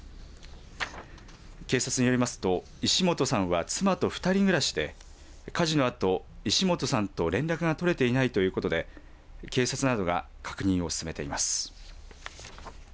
警察によりますと石本さんは、妻と２人暮らしで火事のあと石本さんと連絡が取れていないということで警察などが確認を進めています。